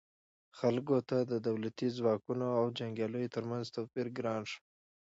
خلکو ته د دولتي ځواکونو او جنګیالیو ترمنځ توپیر ګران شو.